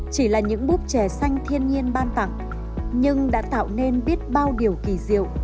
chỉ là những búp chè xanh thiên nhiên ban tặng nhưng đã tạo nên biết bao điều kỳ diệu